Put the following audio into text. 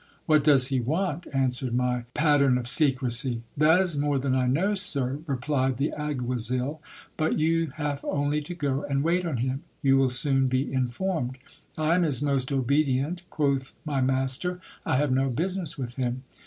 What does he want ? answered my pattern of secrecy. That is more than I know, sir, replied the alguazil ; but you have only to go and wait on him ; you will soon be informed. I am his most obedient, quoth my master ; I have no business with him.